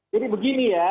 jadi begini ya